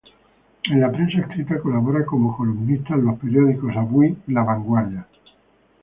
En la prensa escrita, colabora como columnista en los periódicos "Avui" y "La Vanguardia".